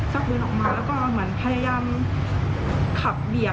ปืนออกมาแล้วก็เหมือนพยายามขับเบียด